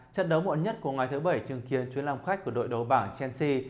trận đấu muộn nhất của ngày thứ bảy chứng kiến chuyến lòng khách của đội đấu bảng chelsea